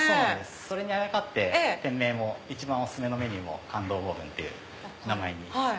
それにあやかって店名も一番お薦めのメニューも感動ボブンっていう名前に。